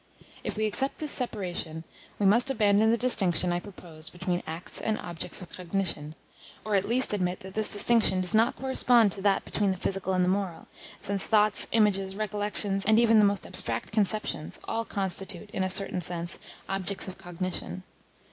If we accept this separation, we must abandon the distinction I proposed between acts and objects of cognition, or, at least, admit that this distinction does not correspond to that between the physical and the moral, since thoughts, images, recollections, and even the most abstract conceptions, all constitute, in a certain sense, objects of cognition.